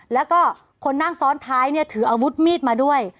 แล้วก็คนนั่งซ้อนท้ายเนี่ยถืออาวุธมีดมาด้วย